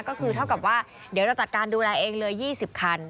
ก็คือเท่ากับว่าเดี๋ยวจะจัดการดูแลเองเลย๒๐คัน